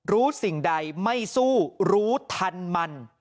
รู้สิ่งใดไม่สู้รู้ทันมัน